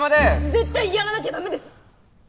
絶対やらなきゃだめです。